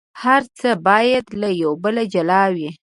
هر څه باید له یو بل جلا وي.